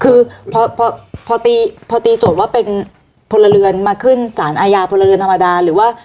คือพอพอตีพอตีโจทย์ว่าเป็นพลเรือนมาขึ้นสารอาญาพลเรือนธรรมดาหรือว่า